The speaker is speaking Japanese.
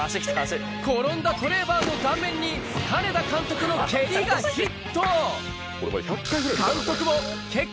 転んだトレーバーの顔面に金田監督の蹴りがヒット！